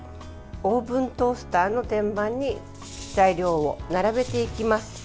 オーブントースターの天板に材料を並べていきます。